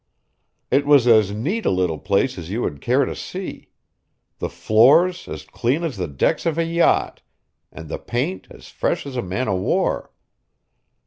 It was as neat a little place as you would care to see: the floors as clean as the decks of a yacht, and the paint as fresh as a man o' war.